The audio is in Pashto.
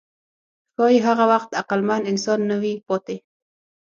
ښایي هغه وخت عقلمن انسان نه وي پاتې.